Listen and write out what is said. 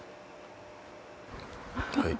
はい。